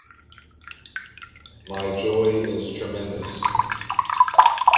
My joy is tremendous.